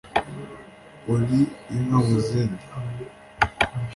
uri inka mu zindi